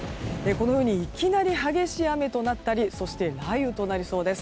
このようにいきなり激しい雨となったり雷雨となりそうです。